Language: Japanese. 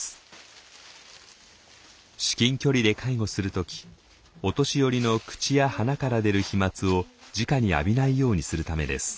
至近距離で介護する時お年寄りの口や鼻から出る飛沫をじかに浴びないようにするためです。